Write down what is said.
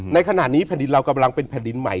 ในขณะนี้แผ่นดินเรากำลังเป็นแผ่นดินใหม่